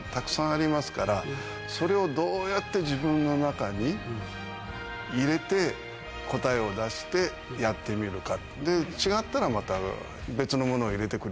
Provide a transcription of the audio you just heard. それをどうやって自分の中に入れて答えを出してやってみるか。